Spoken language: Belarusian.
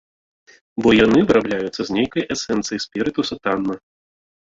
Бо яны вырабляюцца з нейкай эсэнцыі, спірытуса таннага.